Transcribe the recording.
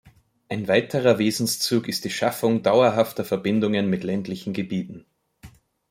Ein weiterer Wesenszug ist die Schaffung dauerhafter Verbindungen mit ländlichen Gebieten.